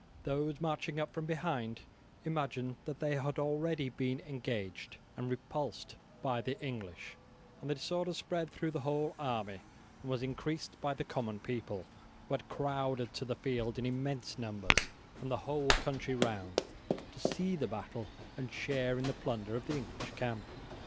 Those marching up from behind imagined that they had been already engaged and repulsed by the English, and the disorder spread through the whole army, and was increased by the common people, who had crowded to the field in immense numbers from the whole country round to see the battle and share in the plunder of the English camp.